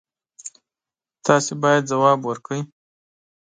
تاسو باید ځواب ورکړئ.